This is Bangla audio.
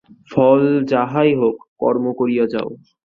ফল যাহাই হোক, কর্ম করিয়া যাও।